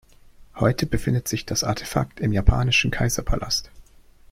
Heute befindet sich das Artefakt im japanischen Kaiserpalast.